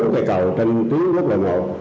bốn cây cầu trên tuyến gốc lần một